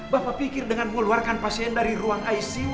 bapak pikir dengan mengeluarkan pasien dari ruang icu